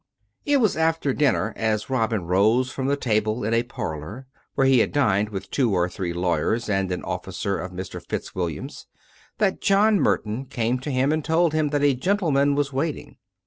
It was after dinner, as Robin rose from the table in a parlour, where he had dined with two or three lawyers and an officer of Mr. FitzWilliam, that John Merton came to him and told him that a gentleman was waiting.